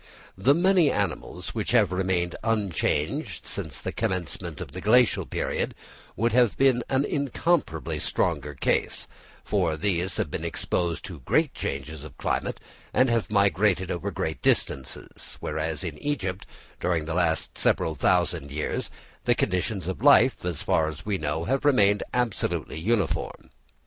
The many animals which have remained unchanged since the commencement of the glacial period, would have been an incomparably stronger case, for these have been exposed to great changes of climate and have migrated over great distances; whereas, in Egypt, during the last several thousand years, the conditions of life, as far as we know, have remained absolutely uniform.